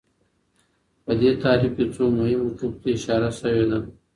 په دې تعريف کي څو مهمو ټکو ته اشاره سوي ده.